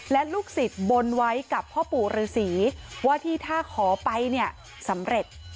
และลูกศิษย์บนไว้กับพ่อปู่ฤษีว่าที่ถ้าขอไปเนี่ยสำเร็จ